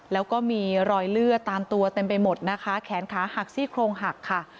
แล้วก็มีรอยเลือดตามตัวเต็มไปหมดนะคะแขนขาหักซี่โครงหักค่ะ